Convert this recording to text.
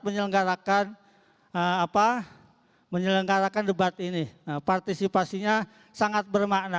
menyelenggarakan debat ini partisipasinya sangat bermakna